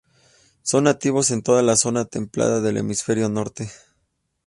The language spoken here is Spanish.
Son nativos en toda la zona templada del hemisferio norte.